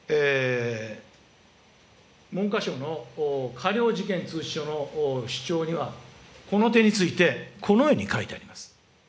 文科省の過料事件通知書の主張には、この点について、このように書いてあります。